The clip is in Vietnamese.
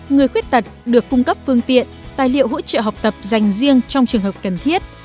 người khuyết tật được cung cấp phương tiện tài liệu hỗ trợ học tập dành riêng trong trường hợp cần thiết